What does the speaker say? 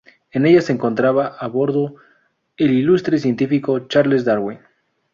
En ella se encontraba a bordo el ilustre científico Charles Darwin.